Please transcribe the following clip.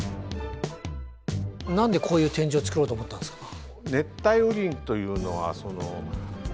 何でこういう展示を作ろうと思ったんですか？